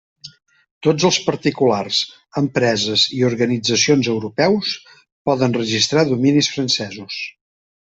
Tots els particulars, empreses i organitzacions europeus poden registrar dominis francesos.